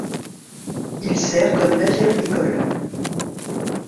Il sert comme navire-école.